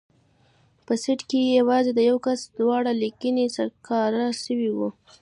په سيټ کښې يې يوازې د يوه کس دواړه لينگي سکاره سوي وو.